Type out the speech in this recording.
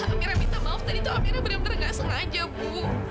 amirah minta maaf tadi amirah benar benar gak sengaja ibu